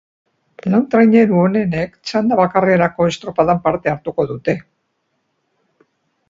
Lau traineru onenek txanda bakarrareko estropadan parte hartuko dute.